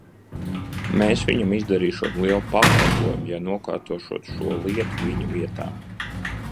Mēs viņam izdarīšot lielu pakalpojumu, ja nokārtošot šo lietu viņa vietā.